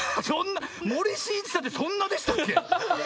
森進一さんってそんなでしたっけ？